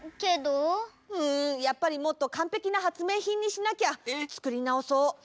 うんやっぱりもっとかんぺきなはつめいひんにしなきゃ。え！？つくりなおそう！